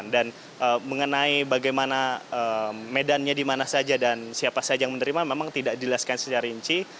dan mengenai bagaimana medannya di mana saja dan siapa saja yang menerima memang tidak dilaskan secara rinci